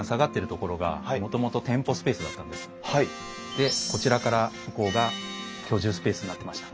でこちらから向こうが居住スペースになってました。